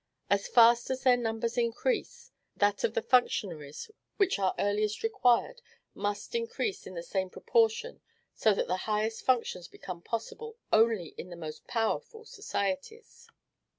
as fast as their number increases, that of the functionaries which are earliest required must increase in the same proportion; so that the highest functions become possible only in the most powerful societies.